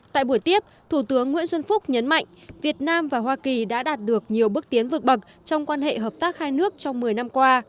tại buổi tiếp thủ tướng nguyễn xuân phúc nhấn mạnh việt nam và hoa kỳ đã đạt được nhiều bước tiến vượt bậc trong quan hệ hợp tác hai nước trong một mươi năm qua